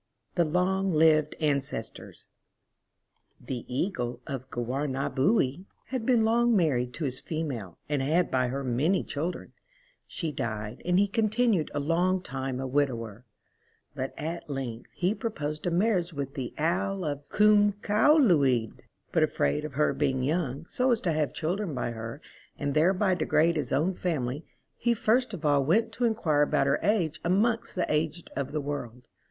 THE LONG LIVED ANCESTORS. " r I "HE Eagle of Gwernabwy had been long married 1 to his female, and had by her many children : she died, and he continued a long time a widower : but at length he proposed a marriage with the Owl of Cwm Cwmlwyd ; but afraid of her being young, so as to have children by her, and thereby degrade his own family, he first of all went to enquire about her age amongst the aged of the world.